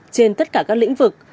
trên tất cả các lĩnh vực